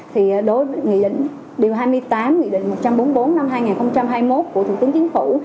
thì đối với nghị định điều hai mươi tám nghị định một trăm bốn mươi bốn năm hai nghìn hai mươi một của thủ tướng chính phủ